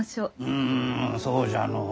うんそうじゃのう。